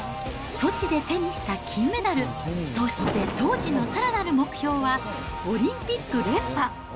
ソチで手にした金メダル、そして、当時のさらなる目標は、オリンピック連覇。